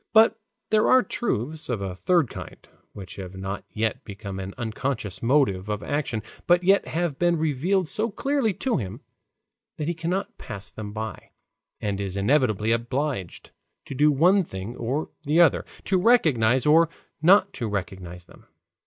But there are truths of a third kind, which have not yet become an unconscious motive of action, but yet have been revealed so clearly to him that he cannot pass them by, and is inevitably obliged to do one thing or the other, to recognize or not to recognize them.